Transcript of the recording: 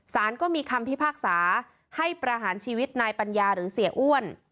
สารก็มีคำพิพากษาให้ประหารชีวิตนายปัญญาหรือเสียอ้วน